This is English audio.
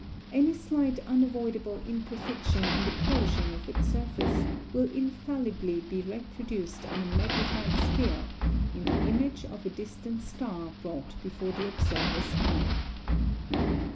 Any slight unavoidable imperfection in the polishing of its surface will infallibly be reproduced on a magnified scale in the image of a distant star brought before the observer's eye.